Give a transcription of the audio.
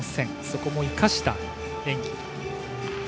そこも生かした演技。